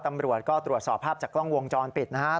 ตำรวจก็ตรวจสอบภาพจากกล้องวงจรปิดนะครับ